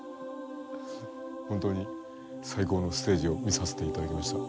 本当に最高のステージを見させて頂きました。